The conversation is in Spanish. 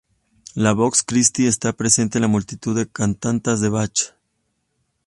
La "vox Christi" está presente en multitud de cantatas de Bach.